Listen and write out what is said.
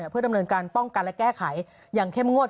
เพื่อดำเนินการป้องกันและแก้ไขอย่างเข้มงวด